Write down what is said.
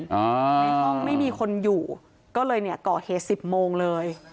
ในห้องไม่มีคนอยู่ก็เลยเนี่ยก่อเหตุสิบโมงเลย